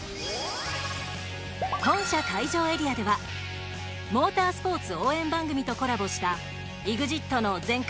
本社会場エリアではモータースポーツ応援番組とコラボした「ＥＸＩＴの全開！！